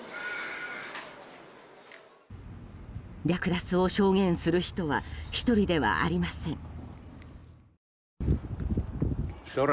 略奪を証言する人は１人ではありません。